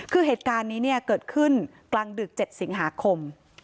คือเหตุการณ์นี้เนี่ยเกิดขึ้นกลางดึก๗สิงหาคม